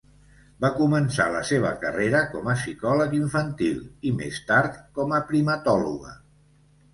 Va començar la seva carrera com a psicòleg infantil i més tard com a primatòloga.